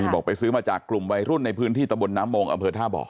บอกไปซื้อมาจากกลุ่มวัยรุ่นในพื้นที่ตะบนน้ำมงอำเภอท่าบ่อ